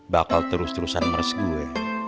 bakal terus terusan meres gue